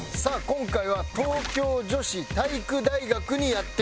今回は東京女子体育大学にやって来ました。